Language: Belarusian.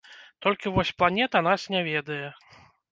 Толькі вось планета нас не ведае.